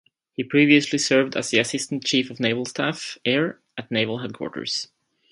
He previously served as the Assistant Chief of Naval Staff (Air) at Naval headquarters.